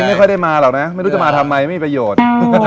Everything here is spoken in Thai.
ไม่ค่อยได้มาแล้วนะให้เพิ่มเบอร์ไม่ประโยชน์